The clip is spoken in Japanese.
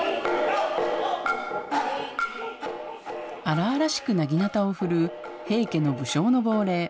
荒々しくなぎなたを振るう平家の武将の亡霊。